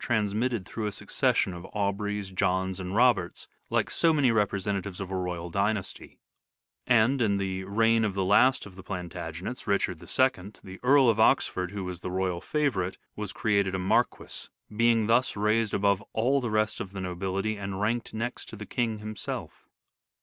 transmitted through a succession of Aubreys, Johns, and Roberts, like so many representatives of a royal dynasty ; and, in the reign of the last of the Plan tagenets, Richard II, the Earl of Oxford, who was the royal favourite, was created a Marquis, being thus raised above all the rest of the nobility and ranked next to the King himself.